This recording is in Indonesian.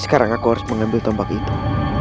sekarang aku harus mengambil tombak itu